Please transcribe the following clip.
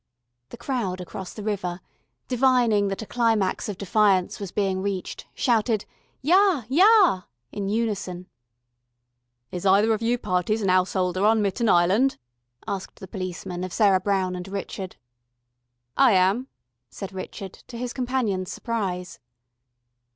The crowd across the river, divining that a climax of defiance was being reached, shouted: "Yah, yah," in unison. "Is either of you parties an 'ouse'older on Mitten Island?" asked the policeman of Sarah Brown and Richard. "I am," said Richard, to his companion's surprise.